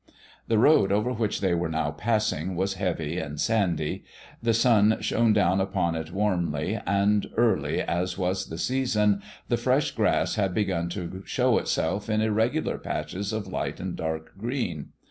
The road over which they were now passing was heavy and sandy. The sun shone down upon it warmly, and, early as was the season, the fresh grass had begun to show itself in irregular patches of light and dark green.